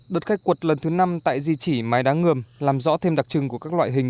đợt khai quật lần thứ năm tại di chỉ mái đá ngườm làm rõ thêm đặc trưng của các loại hình